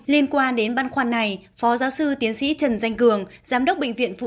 liên quan đến băn khoăn này phó giáo sư tiến sĩ trần danh cường giám đốc bệnh viện phụ